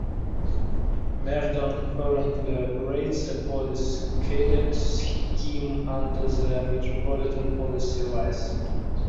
Merton currently operates a Police Cadet scheme under the Metropolitan Police Service.